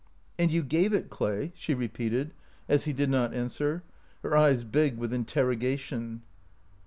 "And you gave it, Clay? " she repeated, as he did not answer, her eyes big with in terrogation.